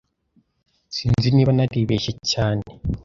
Sinzi niba naribeshye cyane